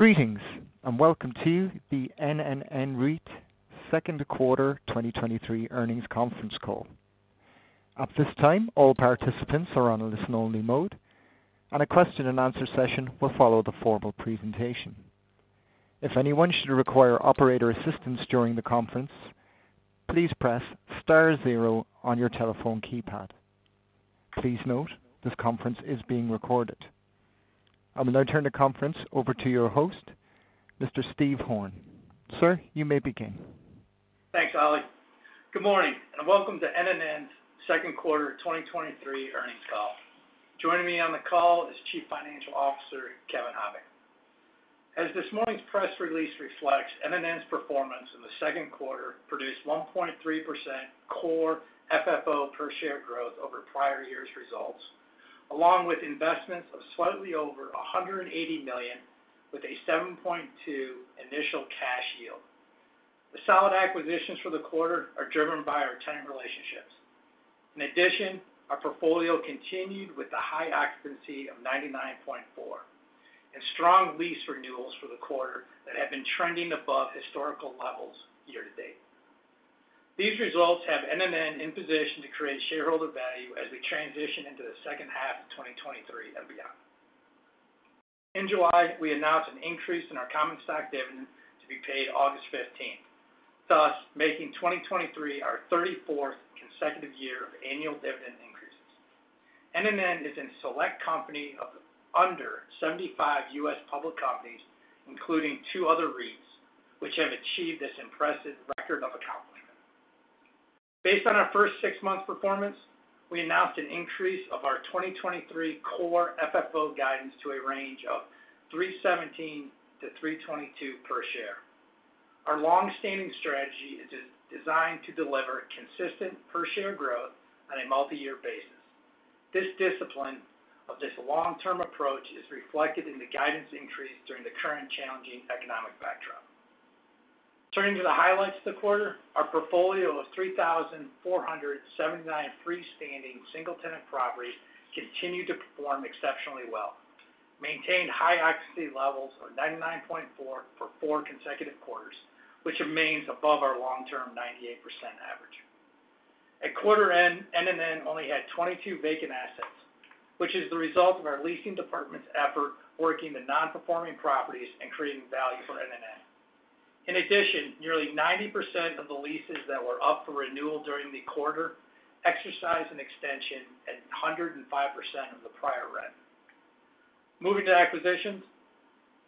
Greetings, and welcome to the NNN REIT second quarter 2023 earnings conference call. At this time, all participants are on a listen-only mode, and a question-and-answer session will follow the formal presentation. If anyone should require operator assistance during the conference, please press star zero on your telephone keypad. Please note, this conference is being recorded. I will now turn the conference over to your host, Mr. Steve Horn. Sir, you may begin. Thanks, Ollie. Good morning. Welcome to NNN's second quarter 2023 earnings call. Joining me on the call is Chief Financial Officer, Kevin Habicht. As this morning's press release reflects, NNN's performance in the second quarter produced 1.3% Core FFO per share growth over prior year's results, along with investments of slightly over $180 million, with a 7.2% initial cash yield. The solid acquisitions for the quarter are driven by our tenant relationships. In addition, our portfolio continued with a high occupancy of 99.4% and strong lease renewals for the quarter that have been trending above historical levels year to date. These results have NNN in position to create shareholder value as we transition into the second half of 2023 and beyond. In July, we announced an increase in our common stock dividend to be paid August 15th, thus making 2023 our 34th consecutive year of annual dividend increases. NNN is in select company of under 75 U.S. public companies, including two other REITs, which have achieved this impressive record of accomplishment. Based on our first 6 months performance, we announced an increase of our 2023 Core FFO guidance to a range of $3.17-$3.22 per share. Our long-standing strategy is designed to deliver consistent per share growth on a multi-year basis. This discipline of this long-term approach is reflected in the guidance increase during the current challenging economic backdrop. Turning to the highlights of the quarter, our portfolio of 3,479 freestanding single-tenant properties continued to perform exceptionally well, maintained high occupancy levels of 99.4 for four consecutive quarters, which remains above our long-term 98% average. At quarter end, NNN only had 22 vacant assets, which is the result of our leasing department's effort, working the non-performing properties and creating value for NNN. In addition, nearly 90% of the leases that were up for renewal during the quarter exercised an extension at 105% of the prior rent. Moving to acquisitions.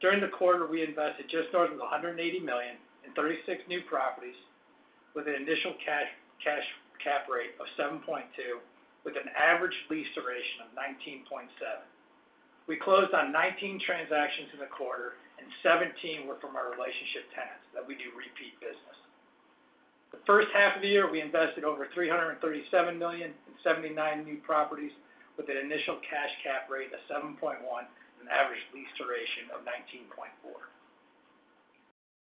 During the quarter, we invested just north of $180 million in 36 new properties with an initial cash, cash cap rate of 7.2, with an average lease duration of 19.7. We closed on 19 transactions in the quarter, and 17 were from our relationship tenants that we do repeat business. The first half of the year, we invested over $337 million in 79 new properties with an initial cash cap rate of 7.1 and an average lease duration of 19.4.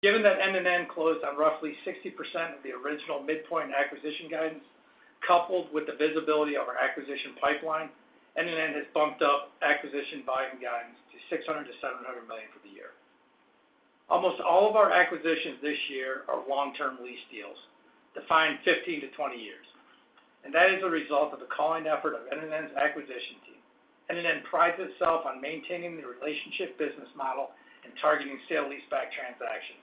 Given that NNN closed on roughly 60% of the original midpoint acquisition guidance, coupled with the visibility of our acquisition pipeline, NNN has bumped up acquisition buying guidance to $600 million-$700 million for the year. Almost all of our acquisitions this year are long-term lease deals, defined 15-20 years, and that is a result of the calling effort of NNN's acquisition team. NNN prides itself on maintaining the relationship business model and targeting sale leaseback transactions.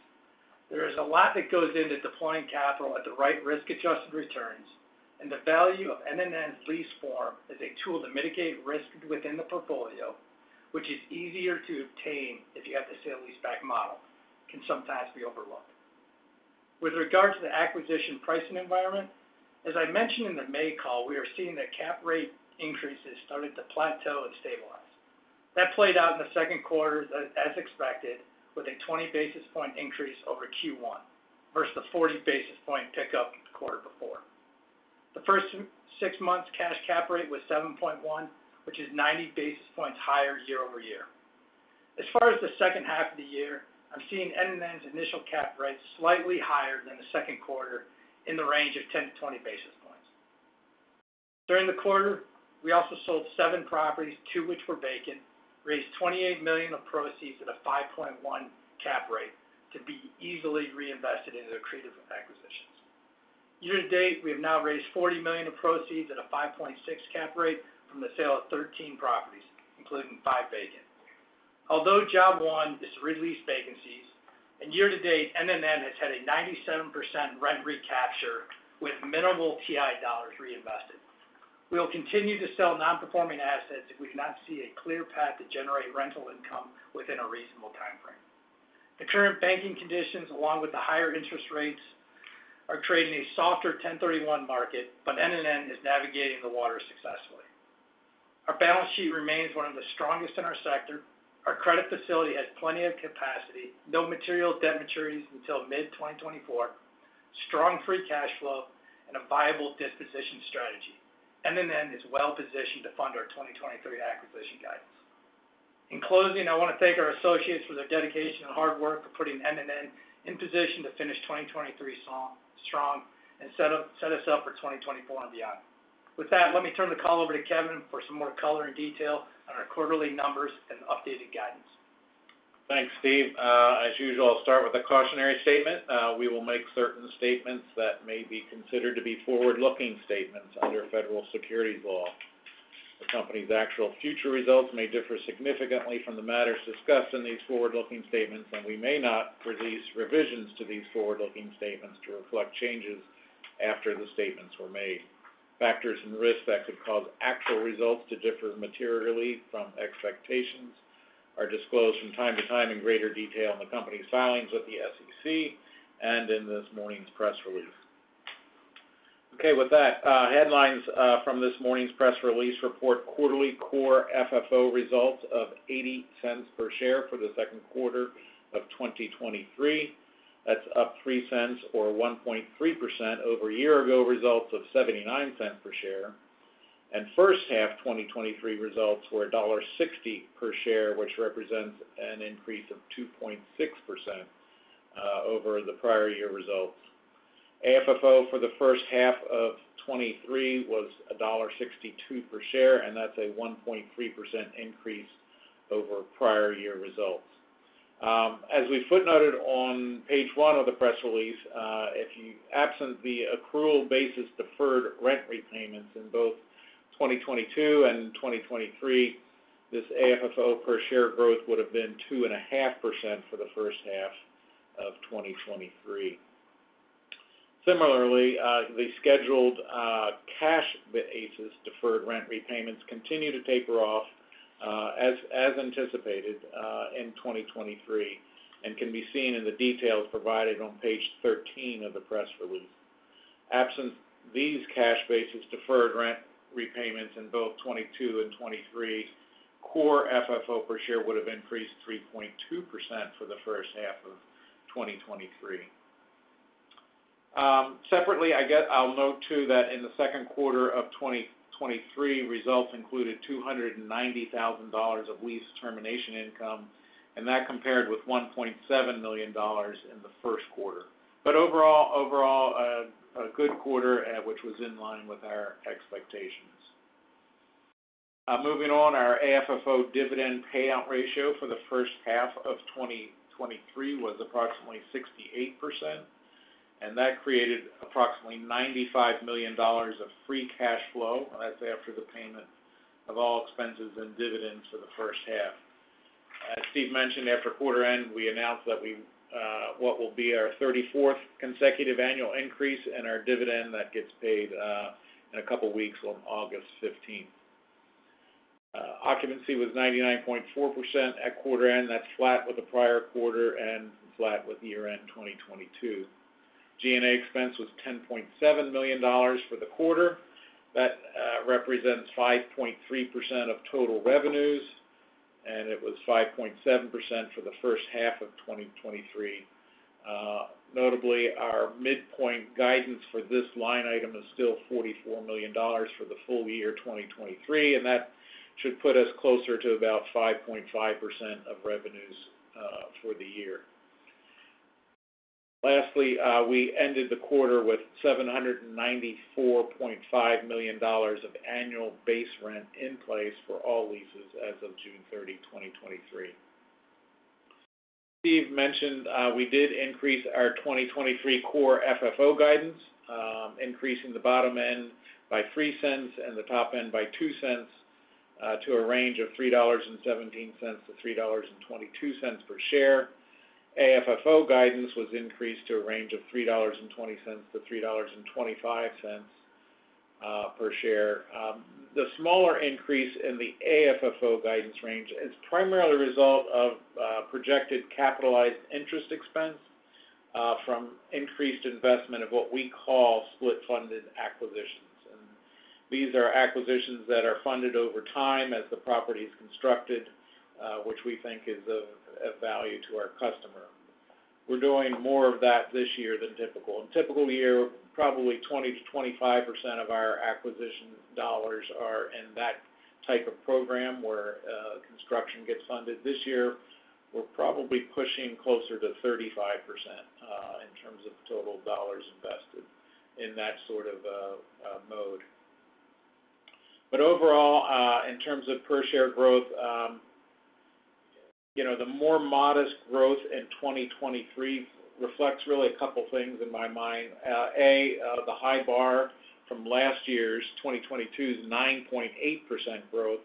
There is a lot that goes into deploying capital at the right risk-adjusted returns, and the value of NNN's lease form as a tool to mitigate risk within the portfolio, which is easier to obtain if you have the sale leaseback model, can sometimes be overlooked. With regards to the acquisition pricing environment, as I mentioned in the May call, we are seeing that cap rate increases starting to plateau and stabilize. That played out in the second quarter as expected, with a 20 basis point increase over Q1 versus the 40 basis point pickup in the quarter before. The first six months cash cap rate was 7.1, which is 90 basis points higher year-over-year. As far as the second half of the year, I'm seeing NNN's initial cap rates slightly higher than the second quarter in the range of 10-20 basis points. During the quarter, we also sold seven properties, two which were vacant, raised $28 million of proceeds at a 5.1 cap rate to be easily reinvested into accretive acquisitions. Year-to-date, we have now raised $40 million of proceeds at a 5.6 cap rate from the sale of 13 properties, including five vacant. Job one is to release vacancies, and year-to-date, NNN has had a 97% rent recapture with minimal TI dollars reinvested. We will continue to sell non-performing assets if we cannot see a clear path to generate rental income within a reasonable timeframe. The current banking conditions, along with the higher interest rates, are creating a softer 1031 market, but NNN is navigating the water successfully. Our balance sheet remains one of the strongest in our sector. Our credit facility has plenty of capacity, no material debt maturities until mid-2024, strong free cash flow, and a viable disposition strategy. NNN is well positioned to fund our 2023 acquisition guidance. In closing, I want to thank our associates for their dedication and hard work for putting in position to finish 2023 strong, strong, and set us up for 2024 and beyond. With that, let me turn the call over to Kevin for some more color and detail on our quarterly numbers and updated guidance. Thanks, Steve. As usual, I'll start with a cautionary statement. We will make certain statements that may be considered to be forward-looking statements under federal securities law. The company's actual future results may differ significantly from the matters discussed in these forward-looking statements, and we may not release revisions to these forward-looking statements to reflect changes after the statements were made. Factors and risks that could cause actual results to differ materially from expectations are disclosed from time to time in greater detail in the company's filings with the SEC and in this morning's press release. Okay, with that, headlines from this morning's press release report quarterly Core FFO results of $0.80 per share for the second quarter of 2023. That's up $0.03 or 1.3% over a year ago, results of $0.79 per share. First half 2023 results were $1.60 per share, which represents an increase of 2.6% over the prior year results. AFFO for the first half of 2023 was $1.62 per share, and that's a 1.3% increase over prior year results. As we footnoted on page one of the press release, absent the accrual basis, deferred rent repayments in both 2022 and 2023, this AFFO per share growth would have been 2.5% for the first half of 2023. Similarly, the scheduled cash basis, deferred rent repayments continue to taper off as anticipated in 2023, and can be seen in the details provided on page 13 of the press release. Absent these cash basis, deferred rent repayments in both 2022 and 2023, Core FFO per share would have increased 3.2% for the first half of 2023. Separately, I'll note too, that in the second quarter of 2023, results included $290,000 of lease termination income, that compared with $1.7 million in the first quarter. Overall, overall, a good quarter, which was in line with our expectations. Moving on, our AFFO dividend payout ratio for the first half of 2023 was approximately 68%, that created approximately $95 million of free cash flow. That's after the payment of all expenses and dividends for the first half. As Steve mentioned, after quarter end, we announced that we, what will be our 34th consecutive annual increase in our dividend that gets paid in a couple of weeks on August 15th. Occupancy was 99.4% at quarter end. That's flat with the prior quarter and flat with year-end 2022. G&A expense was $10.7 million for the quarter. That represents 5.3% of total revenues, and it was 5.7% for the first half of 2023. Notably, our midpoint guidance for this line item is still $44 million for the full-year 2023, and that should put us closer to about 5.5% of revenues for the year. Lastly, we ended the quarter with $794.5 million of annual base rent in place for all leases as of June 30, 2023. Steve mentioned, we did increase our 2023 Core FFO guidance, increasing the bottom end by $0.03 and the top end by $0.02, to a range of $3.17-$3.22 per share. AFFO guidance was increased to a range of $3.20-$3.25 per share. The smaller increase in the AFFO guidance range is primarily a result of projected capitalized interest expense from increased investment of what we call split funded acquisitions. These are acquisitions that are funded over time as the property is constructed, which we think is of, of value to our customer. We're doing more of that this year than typical. In a typical year, probably 20%-25% of our acquisition dollars are in that type of program where construction gets funded. This year, we're probably pushing closer to 35% in terms of total dollars invested in that sort of mode. Overall, in terms of per share growth, you know, the more modest growth in 2023 reflects really a couple of things in my mind. The high bar from last year's 2022's 9.8% growth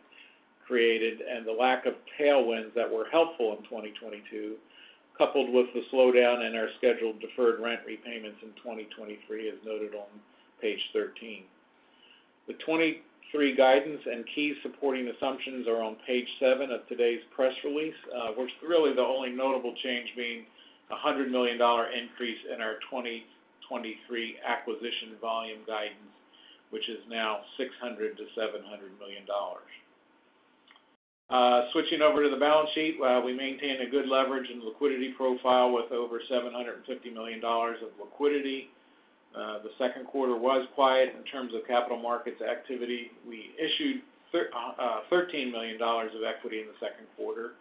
created, and the lack of tailwinds that were helpful in 2022, coupled with the slowdown in our scheduled deferred rent repayments in 2023, as noted on page 13. The 2023 guidance and key supporting assumptions are on page 7 of today's press release, which really the only notable change being a $100 million increase in our 2023 acquisition volume guidance, which is now $600 million-$700 million. Switching over to the balance sheet, we maintain a good leverage and liquidity profile with over $750 million of liquidity. The second quarter was quiet in terms of capital markets activity. We issued $13 million of equity in the second quarter,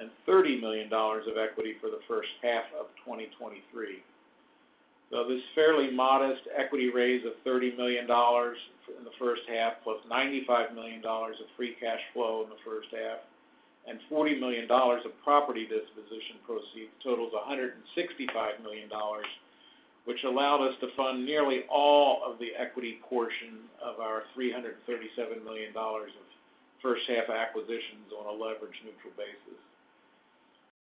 and $30 million of equity for the first half of 2023. This fairly modest equity raise of $30 million in the first half, plus $95 million of free cash flow in the first half, and $40 million of property disposition proceeds totals $165 million, which allowed us to fund nearly all of the equity portion of our $337 million of first half acquisitions on a leverage-neutral basis.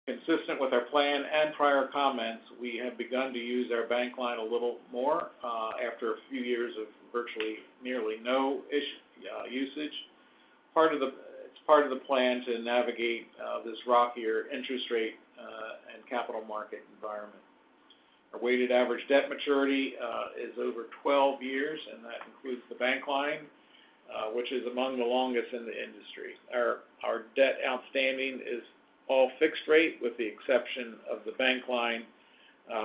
Consistent with our plan and prior comments, we have begun to use our bank line a little more after a few years of virtually nearly no usage. It's part of the plan to navigate this rockier interest rate and capital market environment. Our weighted average debt maturity is over 12 years. That includes the bank line, which is among the longest in the industry. Our debt outstanding is all fixed rate, with the exception of the bank line,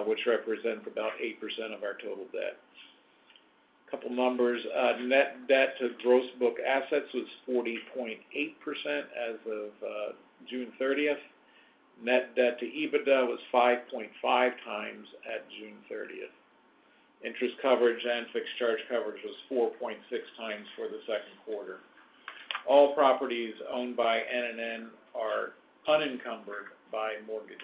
which represents about 8% of our total debt. A couple numbers. Net debt to gross book assets was 40.8% as of June 30th. Net debt to EBITDA was 5.5x at June 30th. Interest coverage and fixed charge coverage was 4.6x for the second quarter. All properties owned by NNN are unencumbered by mortgages.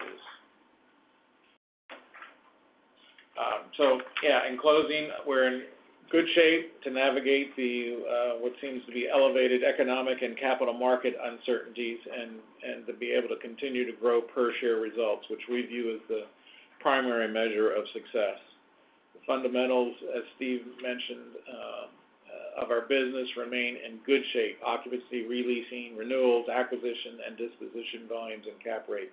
Yeah, in closing, we're in good shape to navigate the what seems to be elevated economic and capital market uncertainties, and to be able to continue to grow per share results, which we view as the primary measure of success. The fundamentals, as Steve mentioned, of our business, remain in good shape: occupancy, re-leasing, renewals, acquisition, and disposition volumes and cap rates.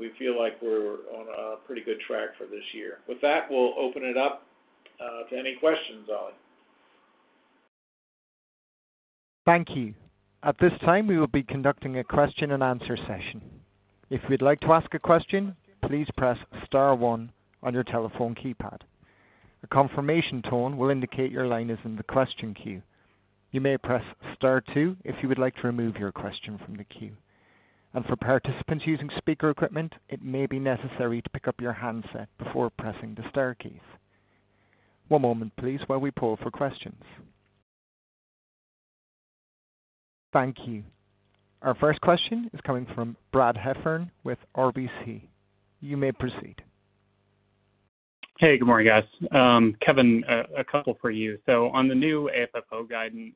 We feel like we're on a pretty good track for this year. With that, we'll open it up, to any questions, Ollie. Thank you. At this time, we will be conducting a question-and-answer session. If you'd like to ask a question, please press star one on your telephone keypad. A confirmation tone will indicate your line is in the question queue. You may press star two if you would like to remove your question from the queue. For participants using speaker equipment, it may be necessary to pick up your handset before pressing the star keys. One moment, please, while we pull for questions. Thank you. Our first question is coming from Brad Heffern with RBC. You may proceed. Hey, good morning, guys. Kevin, a couple for you. On the new AFFO guidance,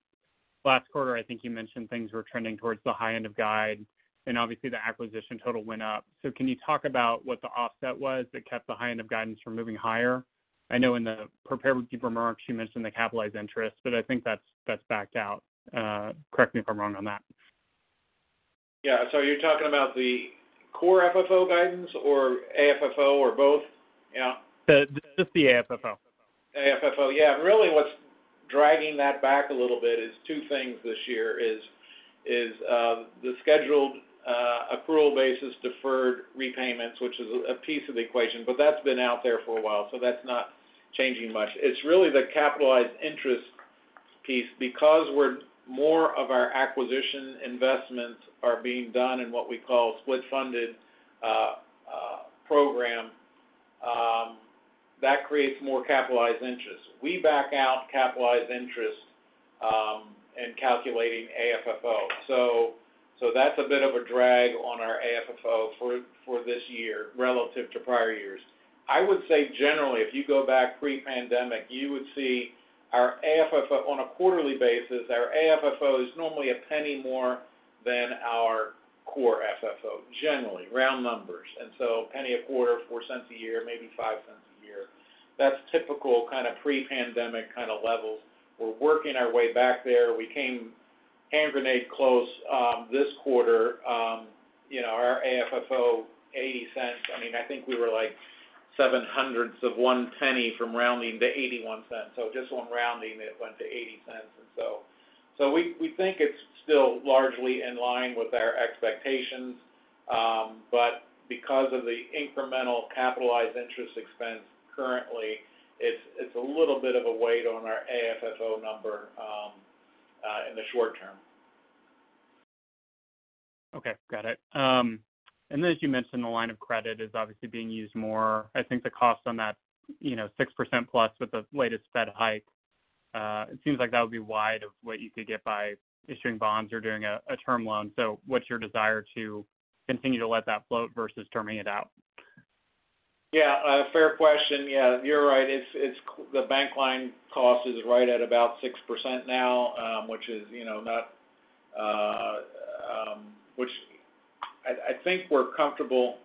last quarter, I think you mentioned things were trending towards the high end of guide, and obviously the acquisition total went up. Can you talk about what the offset was that kept the high end of guidance from moving higher? I know in the prepared remarks, you mentioned the capitalized interest, but I think that's, that's backed out. Correct me if I'm wrong on that. Yeah. You're talking about the Core FFO guidance or AFFO or both? Yeah. The, just the AFFO. AFFO. Yeah. Really, what's dragging that back a little bit is two things this year, is the scheduled accrual basis, deferred repayments, which is a piece of the equation, but that's been out there for a while, so that's not changing much. It's really the capitalized interest piece, because we're more of our acquisition investments are being done in what we call split-funded program that creates more capitalized interest. We back out capitalized interest in calculating AFFO. That's a bit of a drag on our AFFO for this year relative to prior years. I would say generally, if you go back pre-pandemic, you would see our AFFO, on a quarterly basis, our AFFO is normally $0.01 more than our Core FFO, generally, round numbers, and so $0.01 a quarter, $0.04 a year, maybe $0.05 a year. That's typical kind of pre-pandemic kind of levels. We're working our way back there. We came hand grenade close, this quarter. You know, our AFFO, $0.80. I mean, I think we were like $0.0007 from rounding to $0.81. So just on rounding, it went to $0.80. So we, we think it's still largely in line with our expectations, but because of the incremental capitalized interest expense currently, it's a little bit of a weight on our AFFO number, in the short term. Okay, got it. As you mentioned, the line of credit is obviously being used more. I think the cost on that, you know, 6% plus with the latest Fed hike, it seems like that would be wide of what you could get by issuing bonds or doing a, a term loan. What's your desire to continue to let that float versus terming it out? Yeah, a fair question. Yeah, you're right. The bank line cost is right at about 6% now, which is, you know, not, I, I think we're comfortable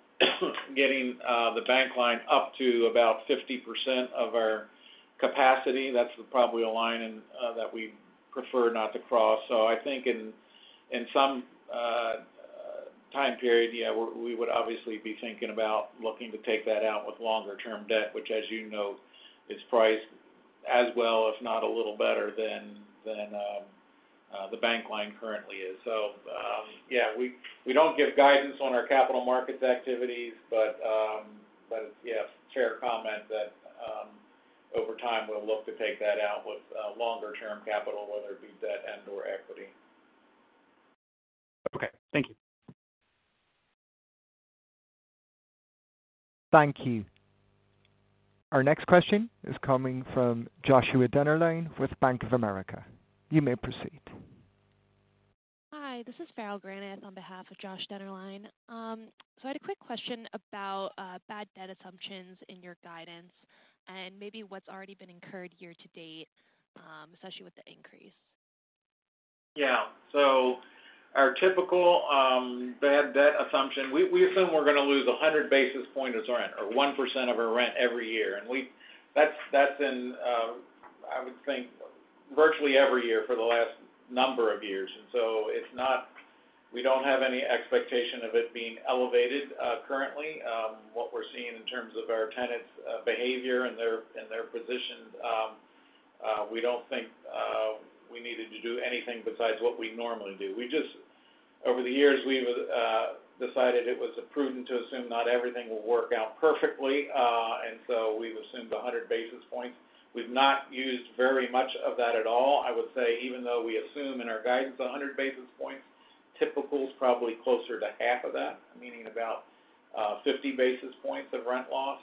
getting, the bank line up to about 50% of our capacity. That's probably a line in that we prefer not to cross. I think in, in some, time period, yeah, we, we would obviously be thinking about looking to take that out with longer-term debt, which, as you know, is priced-... as well, if not a little better than, than, the bank line currently is. Yeah, we, we don't give guidance on our capital markets activities, but, but yes, share comment that, over time, we'll look to take that out with, longer term capital, whether it be debt and/or equity. Okay, thank you. Thank you. Our next question is coming from Joshua Dennerlein with Bank of America. You may proceed. Hi, this is Farrell Granath on behalf of Josh Dennerlein. I had a quick question about bad debt assumptions in your guidance and maybe what's already been incurred year to date, especially with the increase. Yeah. Our typical bad debt assumption, we, we assume we're gonna lose 100 basis points of rent or 1% of our rent every year. That's, that's in, I would think, virtually every year for the last number of years. We don't have any expectation of it being elevated currently. What we're seeing in terms of our tenants' behavior and their, and their position, we don't think we needed to do anything besides what we normally do. We just, over the years, we've decided it was prudent to assume not everything will work out perfectly. We've assumed 100 basis points. We've not used very much of that at all. I would say, even though we assume in our guidance, 100 basis points, typical is probably closer to half of that, meaning about 50 basis points of rent loss.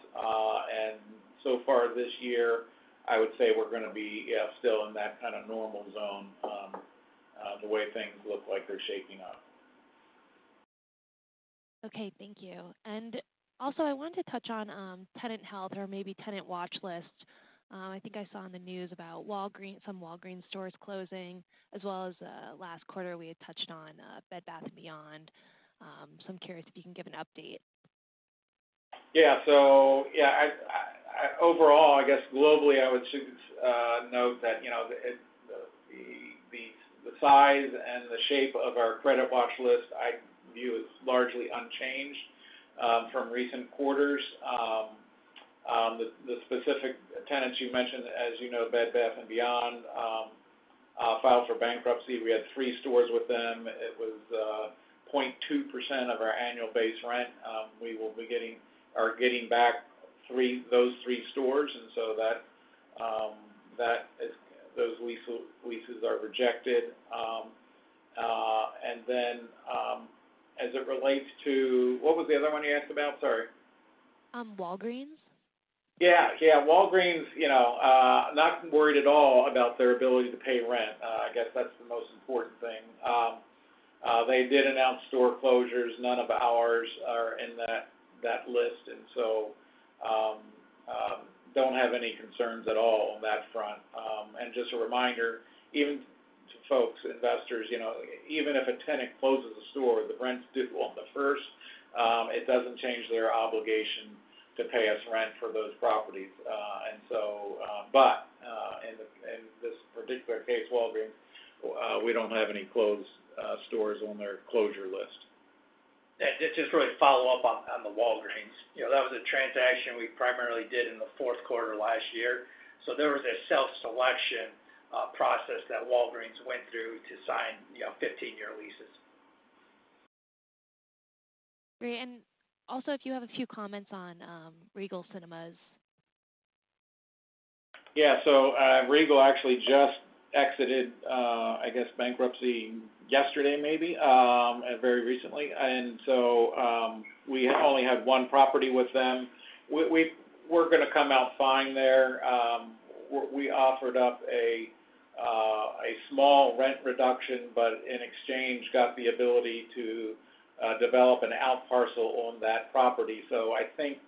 So far this year, I would say we're gonna be, yeah, still in that kind of normal zone, the way things look like they're shaping up. Okay, thank you. Also, I wanted to touch on, tenant health or maybe tenant watch list. I think I saw on the news about Walgreens, some Walgreens stores closing, as well as, last quarter, we had touched on, Bed Bath & Beyond. I'm curious if you can give an update. Yeah. Yeah, I, I, overall, I guess globally, I would just note that, you know, it, the, the, the size and the shape of our credit watch list, I view as largely unchanged from recent quarters. The specific tenants you mentioned, as you know, Bed Bath & Beyond filed for bankruptcy. We had three stores with them. It was 0.2% of our annual base rent. We will be getting or getting back those three stores, and so that, that is, those leases, leases are rejected. As it relates to... What was the other one you asked about? Sorry. Walgreens. Yeah, yeah, Walgreens, you know, not worried at all about their ability to pay rent. I guess that's the most important thing. They did announce store closures. None of ours are in that, that list, so don't have any concerns at all on that front. Just a reminder, even to folks, investors, you know, even if a tenant closes a store, the rent's due on the first, it doesn't change their obligation to pay us rent for those properties. So, in this, in this particular case, Walgreens, we don't have any closed stores on their closure list. Just to really follow up on, on the Walgreens. You know, that was a transaction we primarily did in the fourth quarter last year. There was a self-selection process that Walgreens went through to sign, you know, 15-year leases. Great. Also, if you have a few comments on, Regal Cinemas. Yeah. Regal actually just exited, I guess, bankruptcy yesterday, maybe, very recently. We only had one property with them. We're gonna come out fine there. We, we offered up a small rent reduction, but in exchange, got the ability to develop an out parcel on that property. I think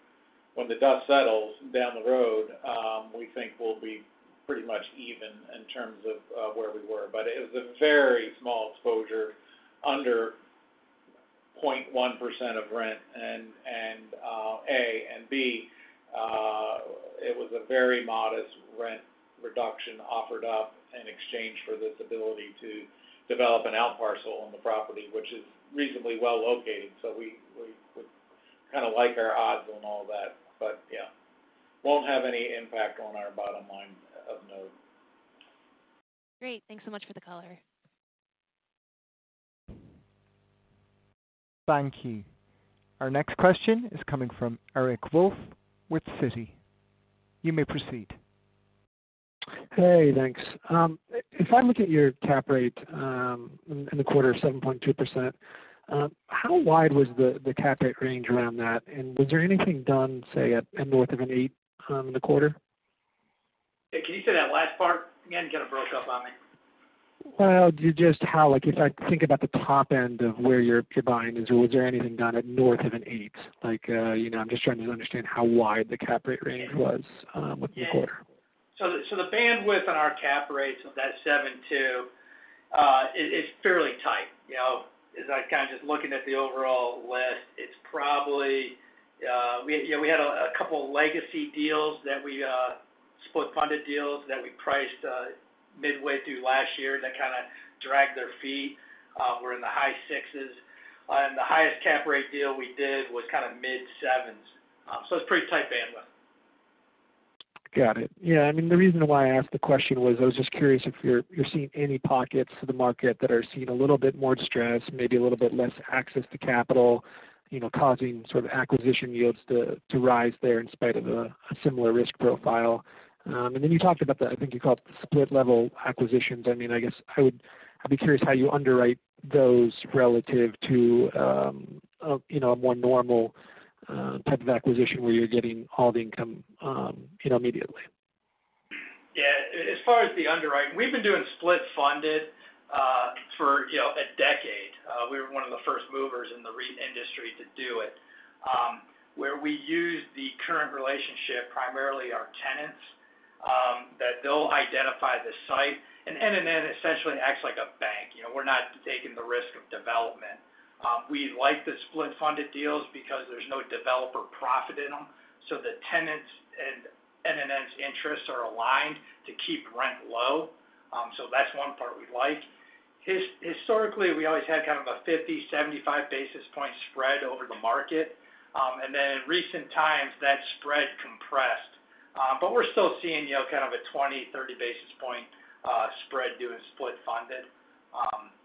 when the dust settles down the road, we think we'll be pretty much even in terms of where we were. It was a very small exposure, under 0.1% of rent, and, and, A, and B, it was a very modest rent reduction offered up in exchange for this ability to develop an out parcel on the property, which is reasonably well located. We, we, we kinda like our odds on all that, but yeah, won't have any impact on our bottom line of note. Great. Thanks so much for the color. Thank you. Our next question is coming from Eric Wolfe with Citi. You may proceed. Hey, thanks. If I look at your cap rate, in the quarter, 7.2%, how wide was the, the cap rate range around that? Was there anything done, say, at north of an 8%, in the quarter? Can you say that last part again? It kind of broke up on me. Well, just how, like, if I think about the top end of where your, your buying is, was there anything done at north of an 8%? Like, you know, I'm just trying to understand how wide the cap rate range was with the quarter. The bandwidth on our cap rates of that 7.2%, is, is fairly tight. You know, as I, kind of just looking at the overall list, it's probably, we, you know, we had a, a couple legacy deals that we, split funded deals that we priced, midway through last year, that kinda dragged their feet, were in the high 6s. The highest cap rate deal we did was kind of mid-7s. It's pretty tight bandwidth. Got it. Yeah, I mean, the reason why I asked the question was, I was just curious if you're, you're seeing any pockets of the market that are seeing a little bit more stress, maybe a little bit less access to capital, you know, causing sort of acquisition yields to, to rise there in spite of a, a similar risk profile. Then you talked about the, I think you called it split-level acquisitions. I mean, I guess I'd be curious how you underwrite those relative to, you know, a more normal type of acquisition, where you're getting all the income, you know, immediately. Yeah, as far as the underwriting, we've been doing split funded, for, you know, a decade. We were one of the first movers in the REIT industry to do it. Where we use the current relationship, primarily our tenants, that they'll identify the site, and NNN essentially acts like a bank. You know, we're not taking the risk of development. We like the split funded deals because there's no developer profit in them, so the tenants and NNN's interests are aligned to keep rent low. That's one part we like. Historically, we always had kind of a 50, 75 basis point spread over the market. In recent times, that spread compressed. We're still seeing, you know, kind of a 20, 30 basis point spread doing split funded.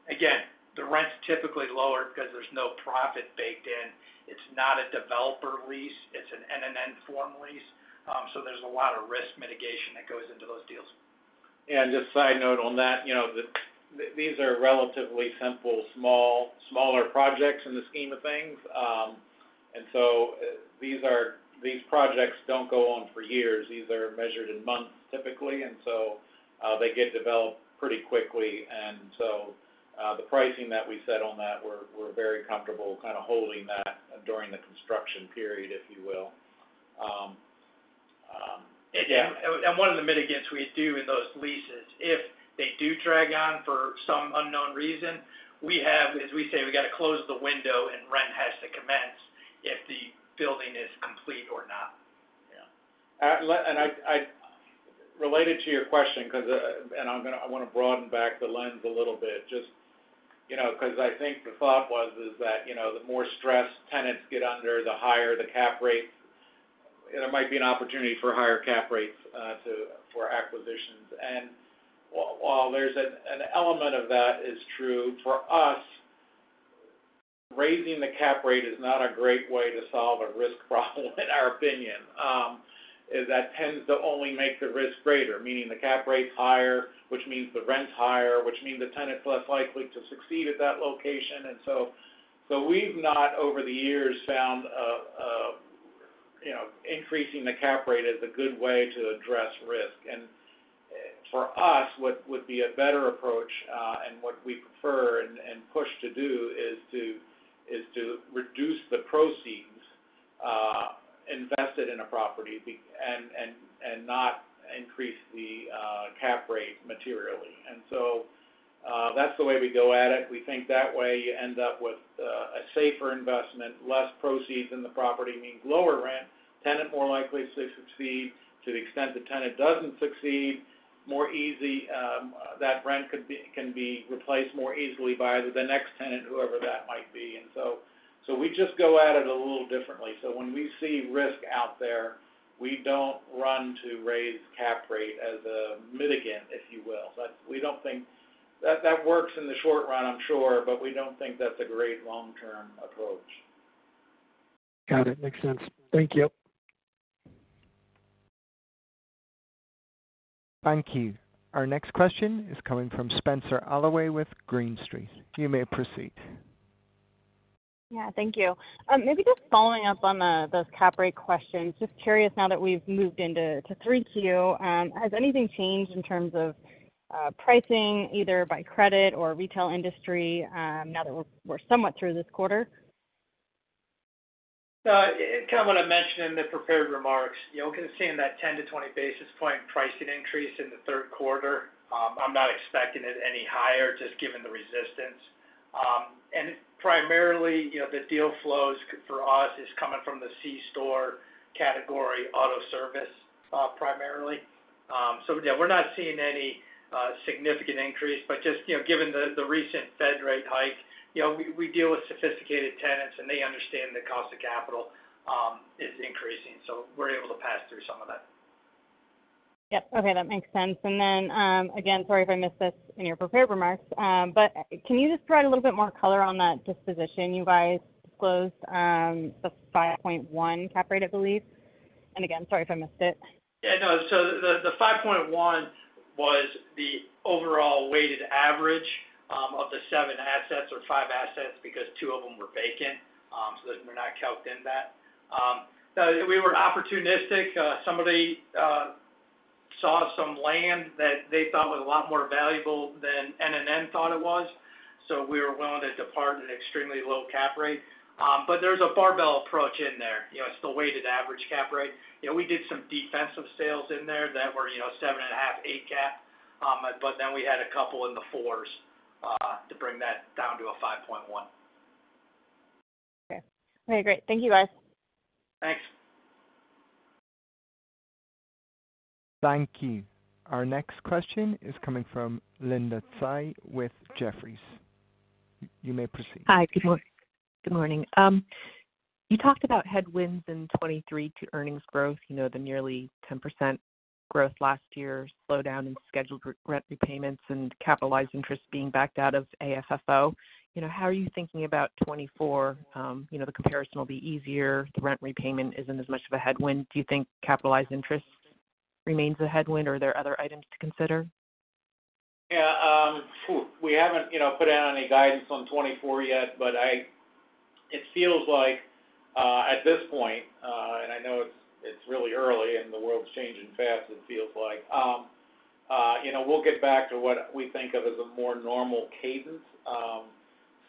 Again, the rent's typically lower because there's no profit baked in. It's not a developer lease, it's an NNN form lease, so there's a lot of risk mitigation that goes into those deals. Yeah, just a side note on that, you know, these are relatively simple, small- smaller projects in the scheme of things. So these projects don't go on for years. These are measured in months, typically, so they get developed pretty quickly. So the pricing that we set on that, we're very comfortable kind of holding that during the construction period, if you will, yeah. One of the mitigants we do in those leases, if they do drag on for some unknown reason, we have, as we say, we got to close the window and rent has to commence if the building is complete or not. Yeah. Related to your question, because I'm gonna, I want to broaden back the lens a little bit, just, you know, because I think the thought was, is that, you know, the more stressed tenants get under, the higher the cap rate, and it might be an opportunity for higher cap rates to, for acquisitions. While there's an element of that is true, for us, raising the cap rate is not a great way to solve a risk problem, in our opinion. Is that tends to only make the risk greater, meaning the cap rate's higher, which means the rent's higher, which means the tenant's less likely to succeed at that location. So we've not, over the years, found, you know, increasing the cap rate is a good way to address risk. For us, what would be a better approach, and what we prefer and, and push to do, is to, is to reduce the proceeds, invested in a property and, and, and not increase the, cap rate materially. That's the way we go at it. We think that way you end up with, a safer investment, less proceeds in the property means lower rent, tenant more likely to succeed. To the extent the tenant doesn't succeed, more easy, that rent can be replaced more easily by the next tenant, whoever that might be. So we just go at it a little differently. When we see risk out there, we don't run to raise cap rate as a mitigant, if you will. We don't think... That, that works in the short run, I'm sure, but we don't think that's a great long-term approach. Got it. Makes sense. Thank you. Thank you. Our next question is coming from Spenser Allaway with Green Street. You may proceed. Yeah, thank you. Maybe just following up on the, those cap rate questions. Just curious, now that we've moved into to 3Q, has anything changed in terms of pricing, either by credit or retail industry, now that we're, we're somewhat through this quarter? Kind of what I mentioned in the prepared remarks, you know, considering that 10 to 20 basis point pricing increase in the third quarter, I'm not expecting it any higher, just given the resistance. Primarily, you know, the deal flows for us is coming from the C-store category, auto service, primarily. Yeah, we're not seeing any significant increase, but just, you know, given the, the recent Fed rate hike, you know, we, we deal with sophisticated tenants, and they understand the cost of capital is increasing, so we're able to pass through some of that. Yep. Okay, that makes sense. Again, sorry if I missed this in your prepared remarks, but can you just provide a little bit more color on that disposition? You guys disclosed, the 5.1% cap rate, I believe. Again, sorry if I missed it. Yeah, no. The, the 5.1% was the overall weighted average of the seven assets or five assets, because two of them were vacant, so they were not counted in that. We were opportunistic. Somebody saw some land that they thought was a lot more valuable than NNN thought it was, so we were willing to depart an extremely low cap rate. There's a barbell approach in there, you know, it's the weighted average cap rate. You know, we did some defensive sales in there that were, you know, 7.5-8 cap, but then we had a couple in the 4s to bring that down to a 5.1%. Okay. Okay, great. Thank you, guys. Thanks. Thank you. Our next question is coming from Linda Tsai with Jefferies. You may proceed. Hi, good morning. you talked about headwinds in 2023 to earnings growth, you know, the nearly 10% growth last year, slowdown in scheduled rent repayments, and capitalized interest being backed out of AFFO. You know, how are you thinking about 2024? you know, the comparison will be easier. The rent repayment isn't as much of a headwind. Do you think capitalized interest remains a headwind, or are there other items to consider? Yeah, we haven't, you know, put out any guidance on 2024 yet, but it feels like, at this point, and I know it's, it's really early, and the world's changing fast, it feels like. You know, we'll get back to what we think of as a more normal cadence.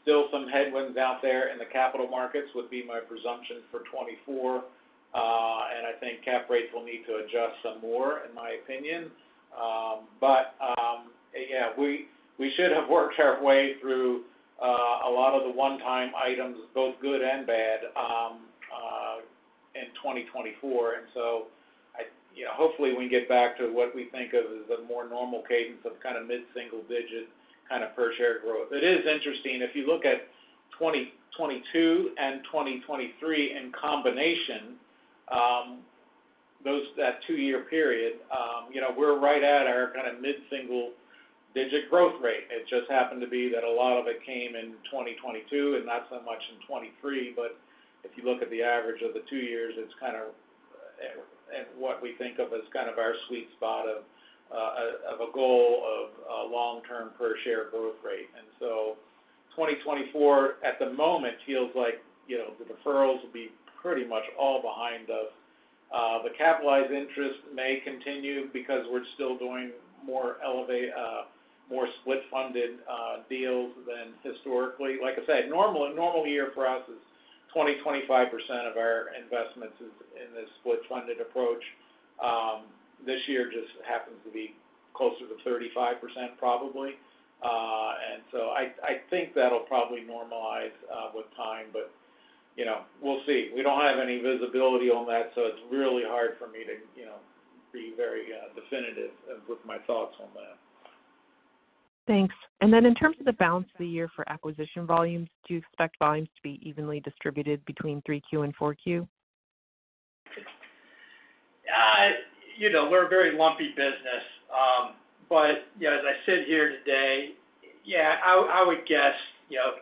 Still some headwinds out there in the capital markets would be my presumption for 2024, and I think cap rates will need to adjust some more, in my opinion. Yeah, we, we should have worked our way through a lot of the one-time items, both good and bad, in 2024. You know, hopefully, we can get back to what we think of as a more normal cadence of kind of mid-single-digit, kind of per share growth. It is interesting, if you look at 2022 and 2023 in combination, that two-year period, you know, we're right at our kind of mid-single digit growth rate. It just happened to be that a lot of it came in 2022 and not so much in 2023. If you look at the average of the two years, it's kind of at what we think of as kind of our sweet spot of a goal of long-term per share growth rate. 2024, at the moment, feels like, you know, the deferrals will be pretty much all behind us. The capitalized interest may continue because we're still doing more split funded deals than historically. Like I said, normal, a normal year for us is 20%-25% of our investments is in this split funded approach. This year just happens to be closer to 35%, probably. I think that'll probably normalize with time, but, you know, we'll see. We don't have any visibility on that, so it's really hard for me to, you know, be very definitive with my thoughts on that. Thanks. Then in terms of the balance of the year for acquisition volumes, do you expect volumes to be evenly distributed between 3Q and 4Q? You know, we're a very lumpy business. You know, as I sit here today, yeah, I would guess, you know,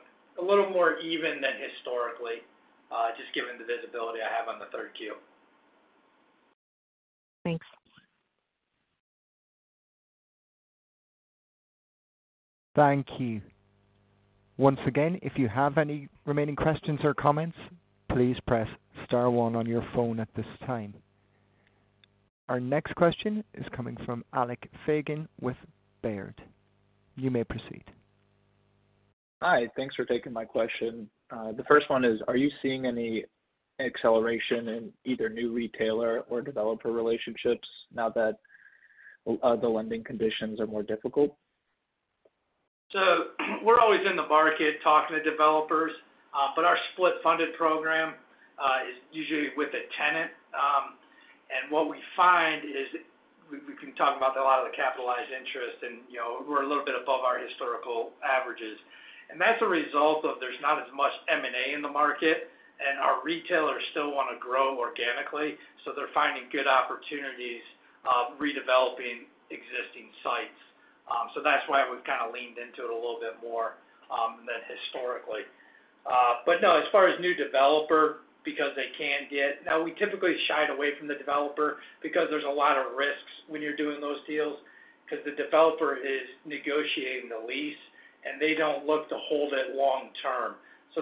a little more even than historically, just given the visibility I have on the third Q. Thanks. Thank you. Once again, if you have any remaining questions or comments, please press star one on your phone at this time. Our next question is coming from Alec Feygin with Baird. You may proceed. Hi, thanks for taking my question. The first one is, are you seeing any acceleration in either new retailer or developer relationships now that the lending conditions are more difficult? We're always in the market talking to developers, but our split funded program is usually with a tenant. What we find is we, we can talk about a lot of the capitalized interest, and, you know, we're a little bit above our historical averages. That's a result of there's not as much M&A in the market, and our retailers still wanna grow organically, so they're finding good opportunities, redeveloping existing sites. That's why we've kind of leaned into it a little bit more than historically. No, as far as new developer, because they can get... Now, we typically shied away from the developer because there's a lot of risks when you're doing those deals, because the developer is negotiating the lease, and they don't look to hold it long term.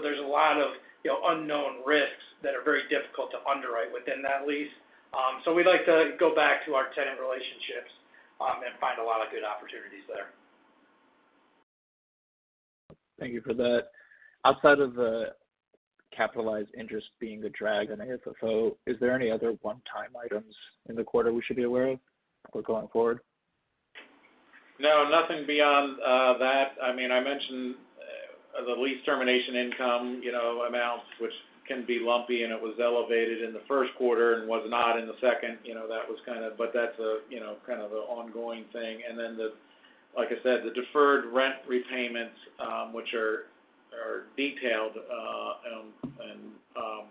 There's a lot of, you know, unknown risks that are very difficult to underwrite within that lease. We'd like to go back to our tenant relationships, and find a lot of good opportunities there. Thank you for that. Outside of the capitalized interest being a drag on the AFFO, is there any other one-time items in the quarter we should be aware of or going forward? No, nothing beyond that. I mean, I mentioned the lease termination income, you know, amounts, which can be lumpy, and it was elevated in the first quarter and was not in the second. You know, that was but that's a, you know, kind of an ongoing thing. Then the, like I said, the deferred rent repayments, which are, are detailed, and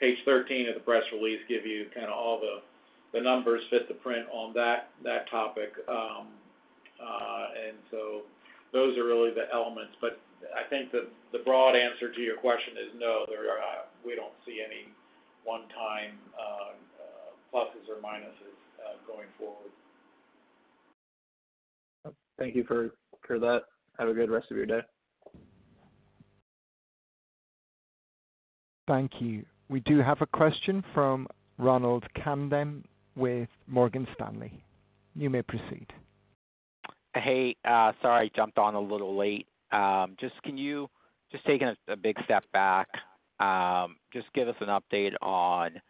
page 13 of the press release, give you kind of all the, the numbers, fit to print on that, that topic. So those are really the elements, but I think the, the broad answer to your question is no, there are- we don't see any one time pluses or minuses going forward. Thank you for, for that. Have a good rest of your day. Thank you. We do have a question from Ronald Kamdem with Morgan Stanley. You may proceed. Hey, sorry, I jumped on a little late. Can you, just taking a big step back, give us an update on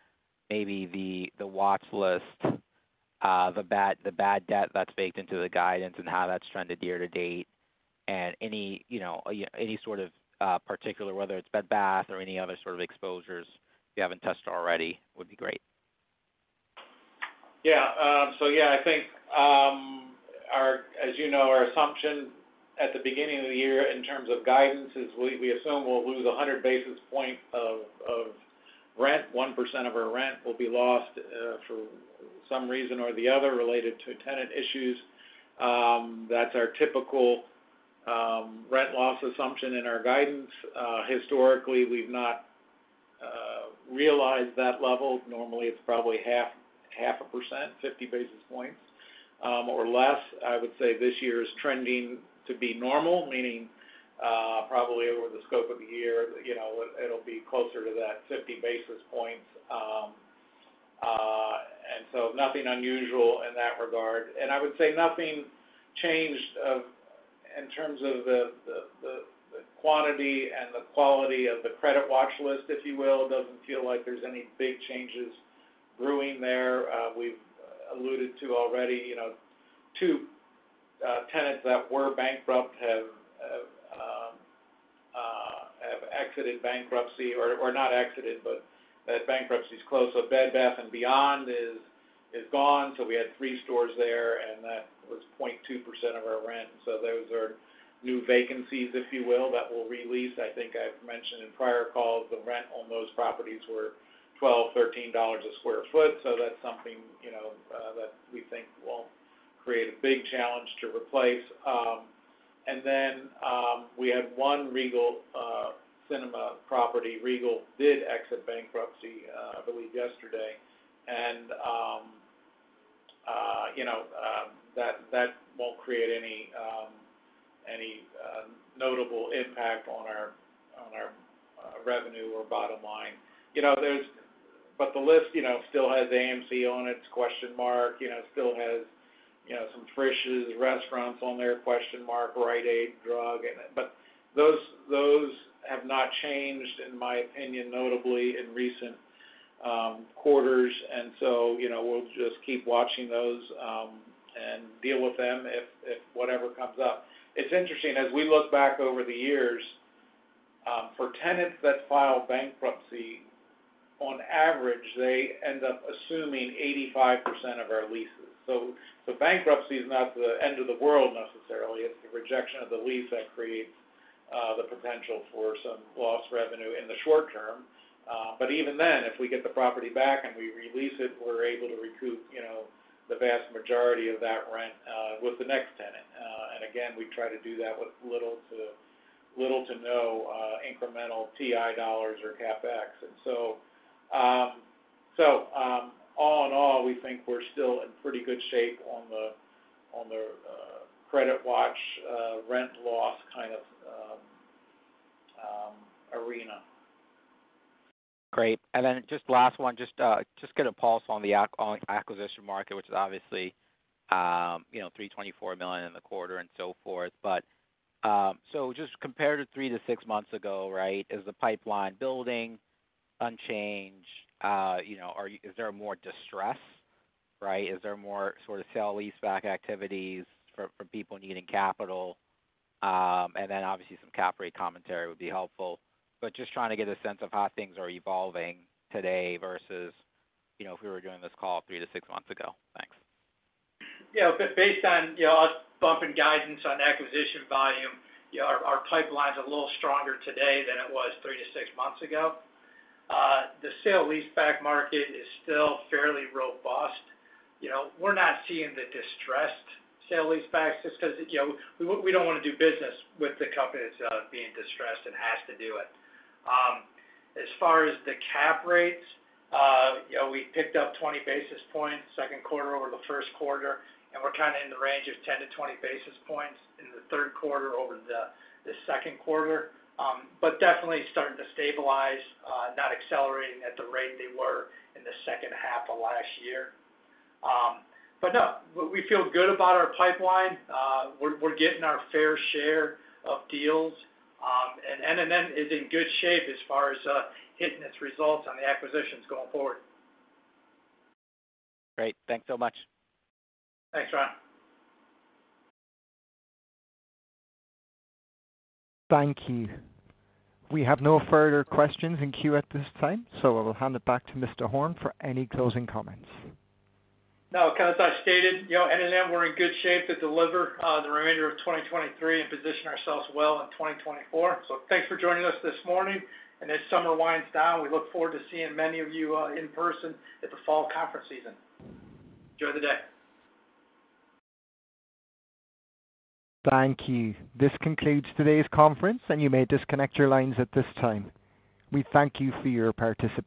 maybe the watch list, the bad debt that's baked into the guidance and how that's trended year-to-date? Any, you know, any sort of particular, whether it's Bed Bath or any other sort of exposures you haven't touched already, would be great. Yeah. Yeah, I think, as you know, our assumption at the beginning of the year, in terms of guidance, is we, we assume we'll lose 100 basis points of rent. 1% of our rent will be lost for some reason or the other related to tenant issues. That's our typical rent loss assumption in our guidance. Historically, we've not realized that level. Normally, it's probably half a percent, 50 basis points, or less. I would say this year is trending to be normal, meaning, probably over the scope of the year, you know, it'll be closer to that 50 basis points. Nothing unusual in that regard. I would say nothing changed of, in terms of the quantity and the quality of the credit watch list, if you will. Doesn't feel like there's any big changes brewing there. We've alluded to already, you know, two tenants that were bankrupt have exited bankruptcy or, or not exited, but that bankruptcy is closed. Bed Bath & Beyond is, is gone, so we had three stores there, and that was 0.2% of our rent. Those are new vacancies, if you will, that we'll re-lease. I think I've mentioned in prior calls, the rent on those properties were $12-$13 a square foot, so that's something, you know, that we think won't create a big challenge to replace. We had one Regal Cinema property. Regal did exit bankruptcy, I believe yesterday. You know, that, that won't create any notable impact on our, on our revenue or bottom line. You know, the list, you know, still has AMC on it, it's question mark. You know, it still has, you know, some Frisch's restaurants on there, question mark, Rite Aid Drug and then... Those, those have not changed, in my opinion, notably in recent quarters. You know, we'll just keep watching those and deal with them if, if whatever comes up. It's interesting, as we look back over the years, for tenants that file bankruptcy, on average, they end up assuming 85% of our leases. The bankruptcy is not the end of the world, necessarily. It's the rejection of the lease that creates the potential for some lost revenue in the short term. Even then, if we get the property back and we re-lease it, we're able to recoup, you know, the vast majority of that rent with the next tenant. Again, we try to do that with little to, little to no incremental TI dollars or CapEx. All in all, we think we're still in pretty good shape on the, on the credit watch, rent loss kind of arena. Great. Just last one, just get a pulse on the acquisition market, which is obviously, you know, $324 million in the quarter and so forth. Just compared to three to six months ago, right, is the pipeline building, unchanged? You know, are, is there more distress, right? Is there more sort of sale leaseback activities for, for people needing capital? Then obviously, some cap rate commentary would be helpful, but just trying to get a sense of how things are evolving today versus, you know, if we were doing this call three to six months ago. Thanks. Yeah, based on, you know, us bumping guidance on acquisition volume, yeah, our, our pipeline's a little stronger today than it was three to six months ago. The sale leaseback market is still fairly robust. You know, we're not seeing the distressed sale leasebacks just because, you know, we, we don't wanna do business with the companies being distressed and has to do it. As far as the cap rates, you know, we picked up 20 basis points, 2nd quarter over the 1st quarter, and we're kind of in the range of 10-20 basis points in the 3rd quarter over the 2nd quarter. Definitely starting to stabilize, not accelerating at the rate they were in the 2nd half of last year. No, we, we feel good about our pipeline. We're, we're getting our fair share of deals. NNN is in good shape as far as hitting its results on the acquisitions going forward. Great. Thanks so much. Thanks, Ron. Thank you. We have no further questions in queue at this time. I will hand it back to Mr. Horn for any closing comments. No, as I stated, you know, NNN, we're in good shape to deliver, the remainder of 2023 and position ourselves well in 2024. Thanks for joining us this morning, as summer winds down, we look forward to seeing many of you, in person at the fall conference season. Enjoy the day. Thank you. This concludes today's conference, and you may disconnect your lines at this time. We thank you for your participation.